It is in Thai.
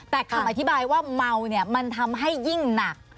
แต่คำอธิบายว่าเมาเนี่ยมันทำให้ยิ่งหนัก